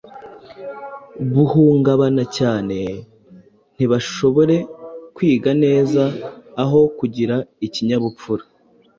buhungabana cyane ntibashobore kwiga neza aho kugira ikinyabupfura